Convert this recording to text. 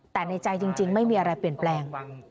แต่ในใจจริงไม่มีอะไรเปลี่ยนแปลง